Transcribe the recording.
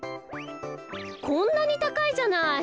こんなにたかいじゃない。